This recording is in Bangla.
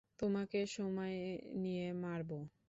তোমাকে সময় নিয়ে মারবো।